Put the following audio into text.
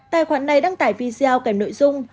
tài khoản này đăng tải video kèm nội dung